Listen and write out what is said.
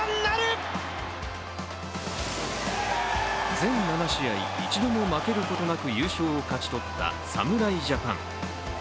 全７試合一度も負けることなく優勝を勝ち取った侍ジャパン。